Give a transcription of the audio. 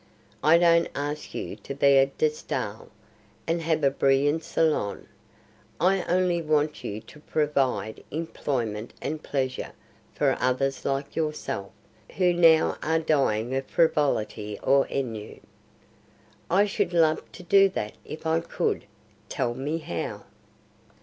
I don't ask you to be a De Staël, and have a brilliant salon: I only want you to provide employment and pleasure for others like yourself, who now are dying of frivolity or ennui." "I should love to do that if I could. Tell me how."